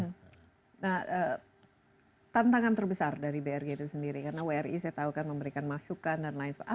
nah tantangan terbesar dari brg itu sendiri karena wri saya tahu kan memberikan masukan dan lain sebagainya